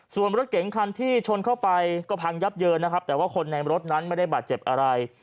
ส่วนรถเก๋งคันที่ชนเข้าไปก็พังยับเยินนะครับแต่ว่าคนในรถนั้นไม่ได้บาดเจ็บอะไร